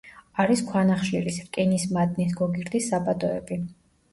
არის ქვანახშირის, რკინის მადნის, გოგირდის საბადოები.